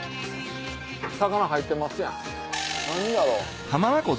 魚入ってますやん何やろ？